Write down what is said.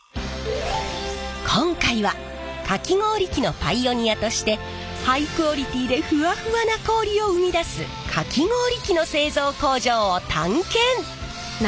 今回はかき氷機のパイオニアとしてハイクオリティーでふわふわな氷を生み出すかき氷機の製造工場を探検！